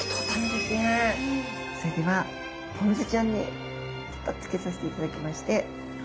それではポン酢ちゃんにちょっとつけさせていただきまして。